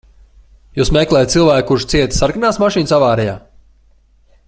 Jūs meklējat cilvēku, kurš cieta sarkanās mašīnas avārijā?